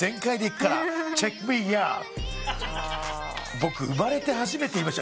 僕生まれて初めて言いました。